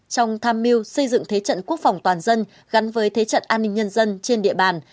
trong tham mưu xây dựng thế trận quốc phòng toàn dân gắn với thế trận an ninh nhân dân trên địa bàn